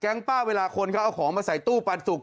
ป้าเวลาคนเขาเอาของมาใส่ตู้ปันสุก